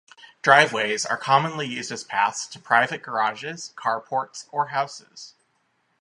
Driveways are commonly used as paths to private garages, carports, or houses.